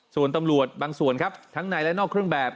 ส่วนตำรวจบางส่วนครับทั้งในและนอกเครื่องแบบ